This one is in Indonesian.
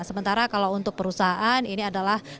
sementara kalau untuk perusahaan ini adalah